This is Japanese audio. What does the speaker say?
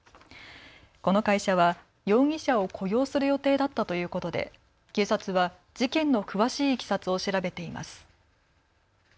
この会社は容疑者を雇用する予定だったということで警察は事件の詳しいいきさつを調べています。